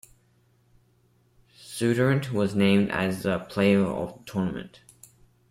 Zuiderent was named as the Player of the Tournament.